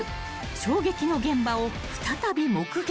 ［衝撃の現場を再び目撃］